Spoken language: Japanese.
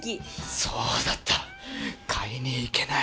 そうだった買いに行けない。